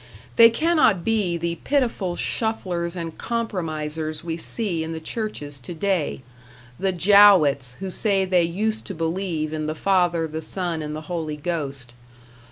They cannot be the pitiful shufflers and compromisers we see in the churches today, the Jowetts who say they used to believe in the Father, the Son and the Holy Ghost.